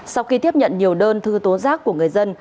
sau khi tiếp nhận nhiều đơn thư tố giác của người dân